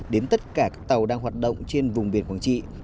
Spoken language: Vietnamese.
đến tất cả các tàu đang hoạt động trên vùng biển quảng trị